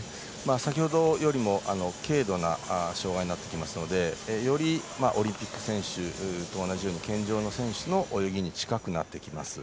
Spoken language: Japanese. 先ほどよりも軽度な障がいになってきますのでよりオリンピック選手と同じように健常の選手の泳ぎに近くなってきます。